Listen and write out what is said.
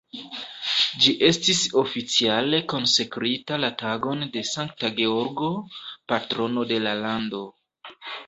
Ĝi estis oficiale konsekrita la tagon de Sankta Georgo, patrono de la lando.